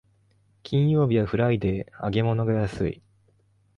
金曜日はフライデー、揚げ物が安い